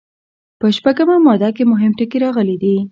په شپږمه ماده کې مهم ټکي راغلي دي.